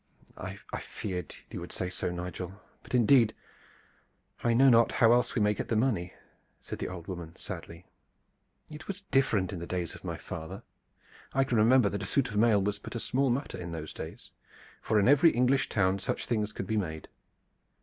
"I feared that you would say so, Nigel; but indeed I know not how else we may get the money," said the old woman sadly. "It was different in the days of my father. I can remember that a suit of mail was but a small matter in those days, for in every English town such things could be made.